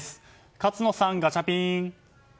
勝野さん、ガチャピン。